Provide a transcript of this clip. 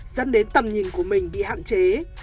dẫn đến tầm nhìn của mình bị hạn chế